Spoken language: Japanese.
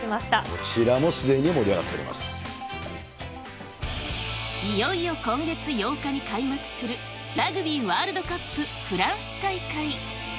こちらもすでに盛り上がっていよいよ今月８日に開幕するラグビーワールドカップフランス大会。